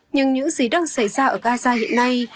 nhưng những gì đang xảy ra ở gaza hiện nay